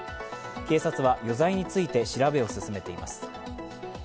警察は余罪について調べを進めています。